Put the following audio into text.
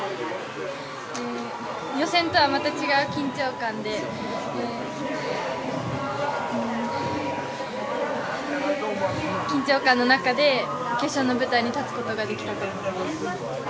予選とはまた違う緊張感の中で決勝の舞台に立つことができたと思います。